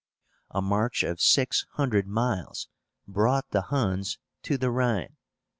A march of six hundred miles brought the Huns to the Rhine.